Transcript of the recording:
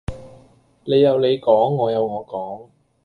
你有你講，我有我講